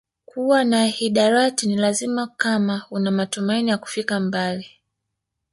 Kuwa na hidarati ni lazima kama una matumaini ya kufika mbali